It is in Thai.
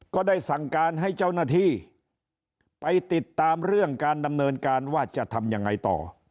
ก็ได้สั่งการให้เจ้าหน้าที่ไปติดตามเรื่องการดำเนินการว่าจะทำยังไงต่อ